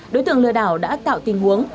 đối tượng lừa đảo đã tạo tình huống